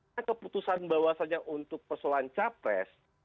karena keputusan bahwasannya untuk persoalan capres